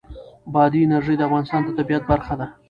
بادي انرژي د افغانستان د طبیعت برخه ده.